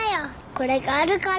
これがあるから。